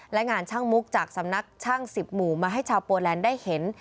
และงานช่างมุกจากสำนักช่าง๑๐หมู่มาให้ชาวโปแลนด์ได้เห็น